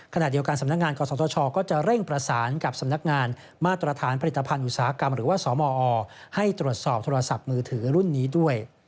ขณะเดียวกันสำนักงานกศธชก็จะเร่งประสานกับสำนักงานมาตรฐานผลิตภัณฑ์อุตสาหกรรมหรือว่าสมอให้ตรวจสอบโทรศัพท์มือถือรุ่นนี้ด้วย